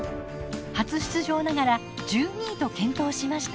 初出場ながら１２位と健闘しました。